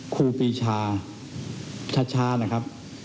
คู่ปีชาชาชา